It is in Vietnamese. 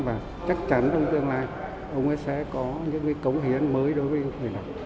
và chắc chắn trong tương lai ông ấy sẽ có những cái cống hiến mới đối với người đọc